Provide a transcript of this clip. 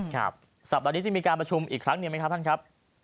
ครับสัปดาห์นี้จะมีการประชุมอีกครั้งหนึ่งไหมครับท่านครับ